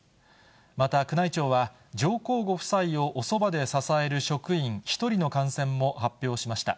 また宮内庁は、上皇ご夫妻をおそばで支える職員１人の感染も発表しました。